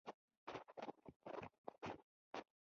د دې نومیالۍ میرمنې ژوند تر همدغه پورتني کال یقیني دی.